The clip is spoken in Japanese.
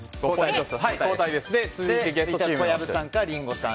小籔さんかリンゴさん